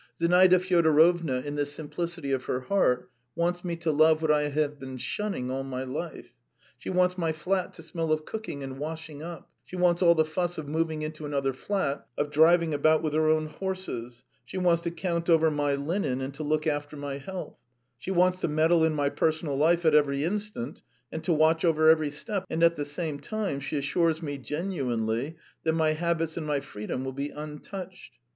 Zinaida Fyodorovna in the simplicity of her heart wants me to love what I have been shunning all my life. She wants my flat to smell of cooking and washing up; she wants all the fuss of moving into another flat, of driving about with her own horses; she wants to count over my linen and to look after my health; she wants to meddle in my personal life at every instant, and to watch over every step; and at the same time she assures me genuinely that my habits and my freedom will be untouched.